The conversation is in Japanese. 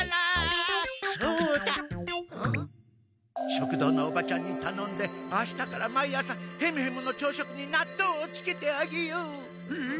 食堂のおばちゃんにたのんで明日から毎朝ヘムヘムの朝食になっとうをつけてあげよう。